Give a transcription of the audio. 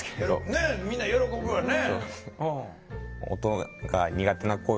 ねえみんな喜ぶよね。